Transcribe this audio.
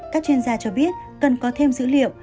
các chuyên gia cho biết cần có thêm dữ liệu